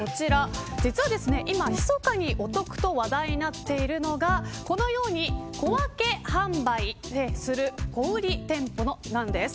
実は今ひそかにお得と話題になっているのがこのように小分け販売する小売り店舗なんです。